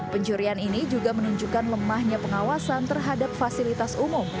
pencurian ini juga menunjukkan lemahnya pengawasan terhadap fasilitas umum